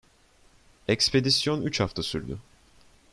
Ekspedisyon üç hafta sürdü.